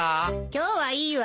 今日はいいわ。